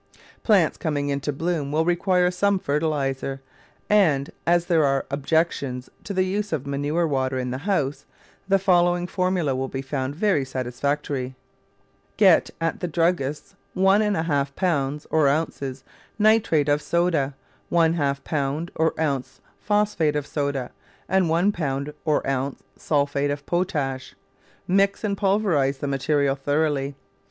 Plants coming into bloom will require some fertil iser, and as there are objections to the use of manure water in the house the following formula will be found very satisfactory: Get at the druggist's one and a half pounds (or ounces) nitrate of soda, one half pound (or ounce) phosphate of soda, and one pound (or ounce) sulphate of potash. Mix and pul verise the material thoroughly.